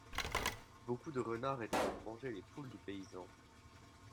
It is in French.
Beaucoup de renards étaient venus manger les poules du paysan.